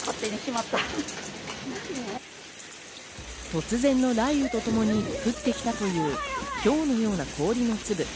突然の雷雨とともに降ってきたという、ひょうのような氷の粒。